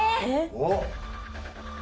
おっ！